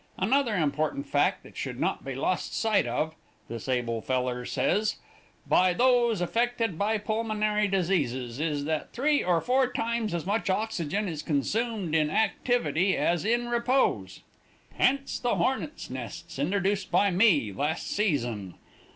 Another important fact that should not be lost sight of,' this able feller says, 'by those affected by pulmonary diseases, is that three or four times as much oxygen is consumed in activity as in repose.' (Hence the hornet's nests introduced by me last season.)